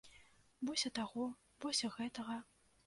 Бойся таго, бойся гэтага.